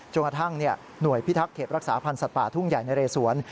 กระทั่งหน่วยพิทักษ์เขตรักษาพันธ์สัตว์ป่าทุ่งใหญ่นะเรสวน